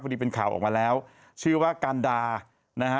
ดีเป็นข่าวออกมาแล้วชื่อว่ากันดานะฮะ